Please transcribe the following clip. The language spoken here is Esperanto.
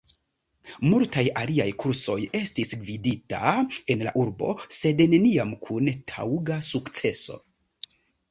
Multaj aliaj kursoj estis gvidita en la urbo, sed neniam kun taŭga sukceso.